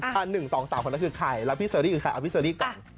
๑๒๓คนนั้นคือใครแล้วพี่เชอรี่คือใครเอาพี่เชอรี่ก่อน